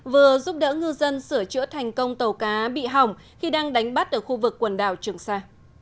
vừa giúp đỡ ngư dân sửa chữa thành công tàu cá bị hỏng khi đang đánh bắt ở khu vực quần đảo trường sa